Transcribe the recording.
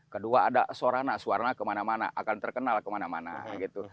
kedua ada sarana suwarna kemana mana akan terkenal kemana mana gitu